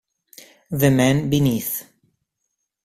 The Man Beneath